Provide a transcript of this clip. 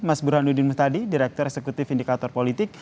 mas burhanuddin muhtadi direktur eksekutif indikator politik